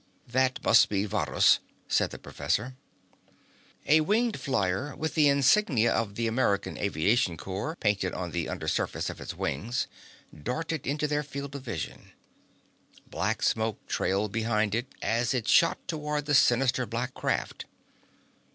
"That must be Varrhus," said the professor. A winged flyer with the insignia of the American aviation corps painted on the under surface of its wings darted into their field of vision. Black smoke trailed behind it as it shot toward the sinister black craft.